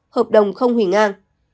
hợp đồng không hủy ngang